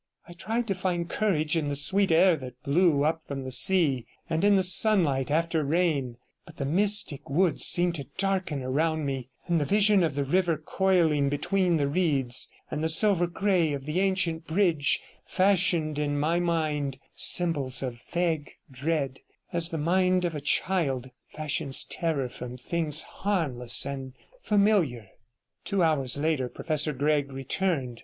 I tried to find courage in the sweet air that blew up from the sea, and in the sunlight after rain, but the mystic woods seemed to darken around me; and the vision of the river coiling between the reeds, and the silver grey of the ancient bridge, fashioned in my mind symbols of vague dread, as the mind of a child fashions terror from things harmless and familiar. Two hours later Professor Gregg returned.